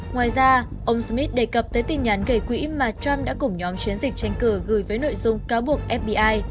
ngoài ra ông smith đề cập tới tin nhắn gây quỹ mà trump đã cùng nhóm chiến dịch tranh cử gửi với nội dung cáo buộc fbi